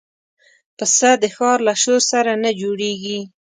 پسه د ښار له شور سره نه جوړيږي.